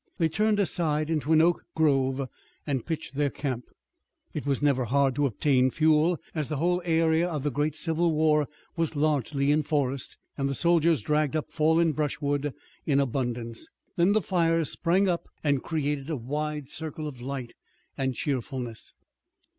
They turned aside into an oak grove and pitched their camp. It was never hard to obtain fuel, as the whole area of the great civil war was largely in forest, and the soldiers dragged up fallen brushwood in abundance. Then the fires sprang up and created a wide circle of light and cheerfulness.